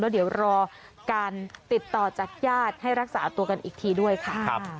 เดี๋ยวรอการติดต่อจากญาติให้รักษาตัวกันอีกทีด้วยค่ะ